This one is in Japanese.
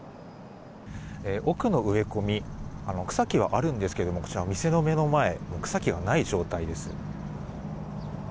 奥の植え込み草木はあるんですが店の目の前、草木がない状態です。